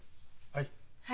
はい。